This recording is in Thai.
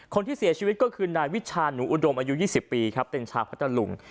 คนที่เสียชีวิตก็คือนายวิชาหนูอุดมอายุ๒๐ปีครับเป็นชาวพัทธลุง